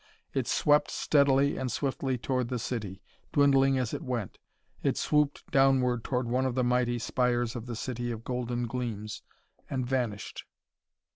It swept steadily and swiftly toward the city, dwindling as it went. It swooped downward toward one of the mighty spires of the city of golden gleams, and vanished.